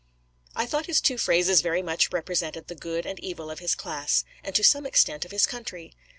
I thought his two phrases very much represented the good and evil of his class, and to some extent of his country.